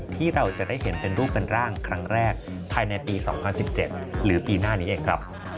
ที่เราจะได้เห็นเป็นรูปเป็นร่างครั้งแรกภายในปี๒๐๑๗หรือปีหน้านี้เองครับ